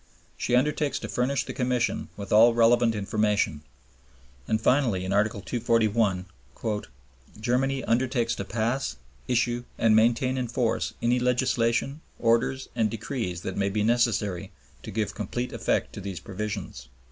She undertakes to furnish the Commission with all relevant information. And finally in Article 241, "Germany undertakes to pass, issue, and maintain in force any legislation, orders, and decrees that may be necessary to give complete effect to these provisions."